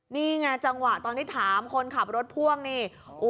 นี่ไงจังหวะตอนที่ถามคนขับรถพ่วงนี่